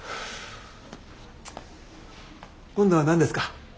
今度は何ですか？